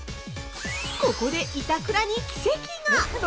ここで板倉に奇跡が◆